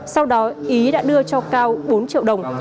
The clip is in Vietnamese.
sau đó ý đã đưa cho cao bốn triệu đồng